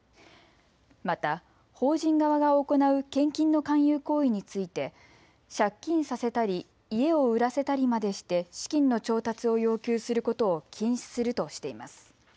また法人側が行う献金の勧誘行為について借金させたり家を売らせたりまでして資金の調達を要求することを禁止するとしています。